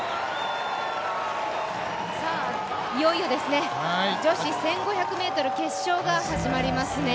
さあいよいよですね、女子１５００ｍ決勝が始まりますね。